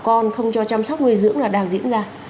con không cho chăm sóc nuôi dưỡng là đang diễn ra